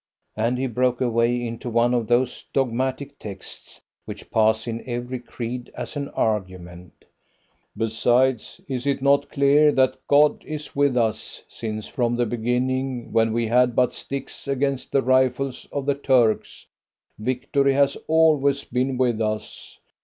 and he broke away into one of those dogmatic texts which pass in every creed as an argument. "Besides, is it not clear that God is with us, since from the beginning, when we had but sticks against the rifles of the Turks, victory has always been with us?